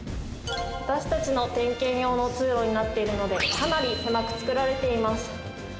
私達の点検用の通路になっているのでかなり狭く造られています